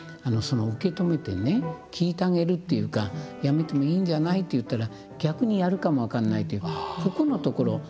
受け止めてね聞いてあげるっていうか「やめてもいいんじゃない」って言ったら逆にやるかも分かんないっていうここのところ。